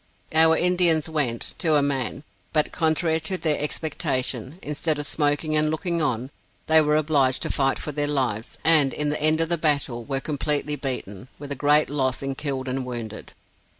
Our Indians went, to a man; but contrary to their expectation, instead of smoking and looking on, they were obliged to fight for their lives, and in the end of the battle were completely beaten, with a great loss in killed and wounded.